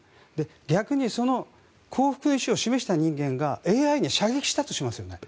逆に降伏の意思を示した人間がＡＩに射撃したとしますよね。